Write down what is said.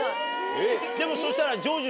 でもそしたら。